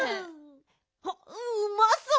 おっうまそう！